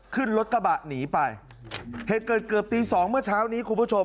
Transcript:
ขึ้นรถกระบะหนีไปเหตุเกิดเกือบตีสองเมื่อเช้านี้คุณผู้ชม